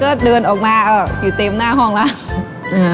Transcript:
ก็เดินออกมาอยู่เต็มหน้าห้องแล้ว